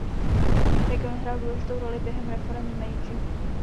Region hrál důležitou roli během reforem Meidži.